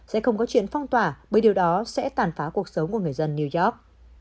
sẽ không có chuyện phong tỏa bởi điều đó sẽ tàn phá cuộc sống của người dân new york